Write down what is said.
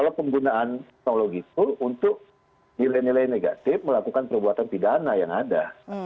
kalau penggunaan teknologi itu untuk nilai nilai negatif melakukan perbuatan pidana yang ada